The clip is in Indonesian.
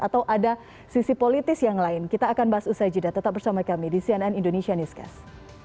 atau ada sisi politis yang lain kita akan bahas usai jeda tetap bersama kami di cnn indonesia newscast